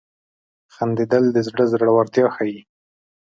• خندېدل د زړه زړورتیا ښيي.